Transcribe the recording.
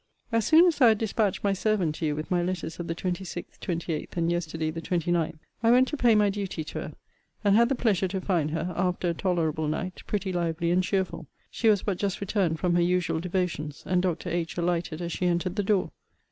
As soon as I had dispatched my servant to you with my letters of the 26th, 28th, and yesterday the 29th, I went to pay my duty to her, and had the pleasure to find her, after a tolerable night, pretty lively and cheerful. She was but just returned from her usual devotions; and Doctor H. alighted as she entered the door.